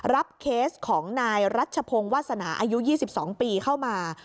เคสของนายรัชพงศ์วาสนาอายุ๒๒ปีเข้ามา